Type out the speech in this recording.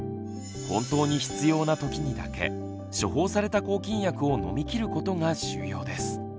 本当に必要な時にだけ処方された抗菌薬を飲み切ることが重要です。